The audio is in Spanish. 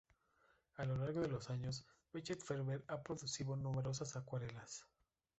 A lo largo de los años Bechet-Ferber ha producido numerosas acuarelas.